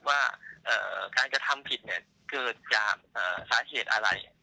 ว่าการกระทำผิดเกิดจากสาเหตุอะไร